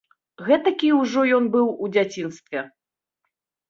Гэтакі ўжо ён быў у дзяцінстве.